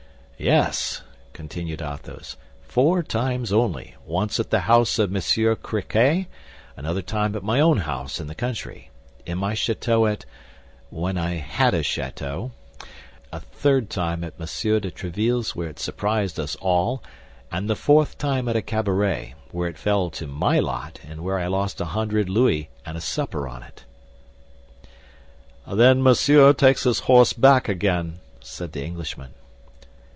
"Yes," continued Athos, "four times only; once at the house of Monsieur Créquy; another time at my own house in the country, in my château at—when I had a château; a third time at Monsieur de Tréville's where it surprised us all; and the fourth time at a cabaret, where it fell to my lot, and where I lost a hundred louis and a supper on it." "Then Monsieur takes his horse back again," said the Englishman.